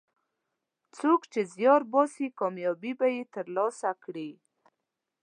څوک چې زیار باسي، کامیابي به یې ترلاسه کړي.